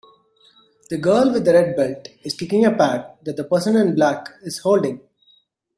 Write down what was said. The girl with the red belt is kicking a pad that the person in black is holding.